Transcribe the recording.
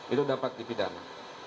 itu dapat dipidana